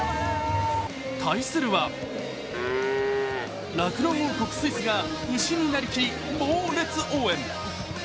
対するは酪農王国スイスが、牛になりきりモ烈応援。